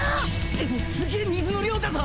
でもすげえ水の量だぞ！！